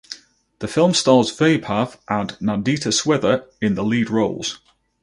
The film stars Vaibhav and Nandita Swetha in the lead roles.